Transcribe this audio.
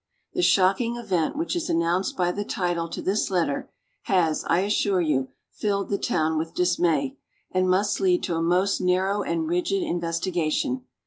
The shocking event which is announced by the title to this letter, has, I assure you, filled the town with dismay, and must lead to a most narrow and rigid investigation.